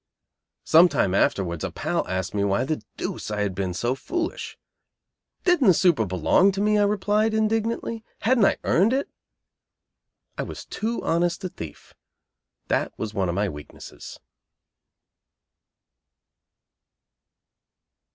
Some time afterwards a pal asked me why the deuce I had been so foolish. "Didn't the super belong to me," I replied, indignantly. "Hadn't I earned it?" I was too honest a thief. That was one of my weaknesses.